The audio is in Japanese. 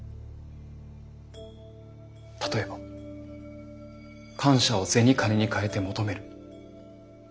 例えば感謝を銭金にかえて求める。